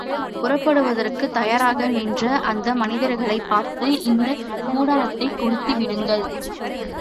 புறப்படுவதற்குத் தயாராக நின்ற அந்த மனிதர்களைப் பார்த்து, இந்தக் கூடாரத்தைக் கொளுத்தி விடுங்கள்.